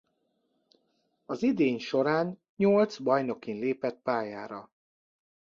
Az idény során nyolc bajnokin lépett pályára.